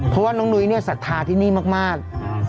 เพราะว่าน้องนุ้ยเนี่ยศรัทธาที่นี่มาก